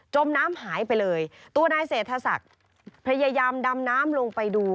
มน้ำหายไปเลยตัวนายเศรษฐศักดิ์พยายามดำน้ำลงไปดู